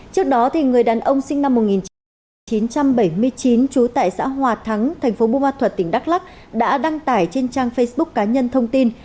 trước đó người đàn ông sinh năm một nghìn chín trăm bảy mươi chín trú tại xã hòa thắng thành phố bùa thuật tỉnh đắk lắc đã đăng tải trên trang facebook cá nhân thông tin